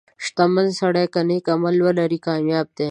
• شتمن سړی که نیک عمل ولري، کامیابه دی.